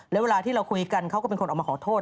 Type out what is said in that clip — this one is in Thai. แล้วเวลาที่เราคุยกันเขาก็เป็นคนออกมาขอโทษ